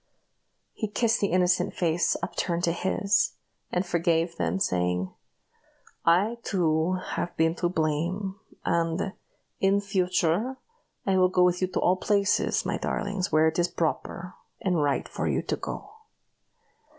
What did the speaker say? He kissed the innocent face upturned to his, and forgave them, saying, "I, too, have been to blame; and, in future, I will go with you to all places, my darlings, where it is proper, and right for you to go."